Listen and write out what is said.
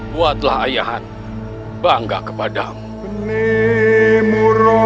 buatlah ayahan bangga kepadamu